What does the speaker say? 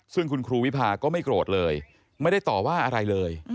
ซึ่งคุณครูวิพาก็ไม่โกรธเลยไม่ได้ต่อว่าอะไรเลย